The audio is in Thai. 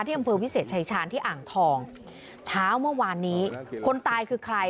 อำเภอวิเศษชายชาญที่อ่างทองเช้าเมื่อวานนี้คนตายคือใคร